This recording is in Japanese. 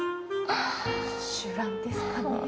酒乱ですかね。